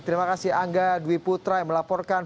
terima kasih angga dwi putra yang melaporkan